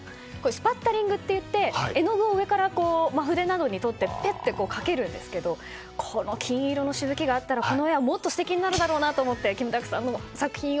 スパッタリングといって絵の具を上から筆などにとってぺって、かけるんですけどこの金色のしぶきがあったらこの絵はもっと素敵になるだろうなと思って。